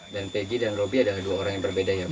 dan pegi dan robi ada dua orang yang berbeda ya bu